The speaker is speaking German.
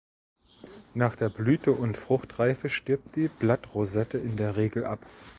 Nach der Blüte und Fruchtreife stirbt die Blattrosette in der Regel ab.